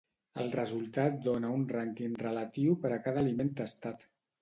El resultat dóna un rànquing relatiu per a cada aliment testat.